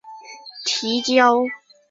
蓝图已经绘就，奋进正当时。